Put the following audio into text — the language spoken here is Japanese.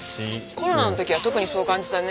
コロナの時は特にそう感じたね。